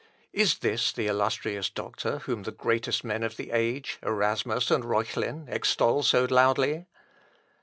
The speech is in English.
Is this the illustrious doctor whom the greatest men of the age, Erasmus and Reuchlin, extol so loudly?...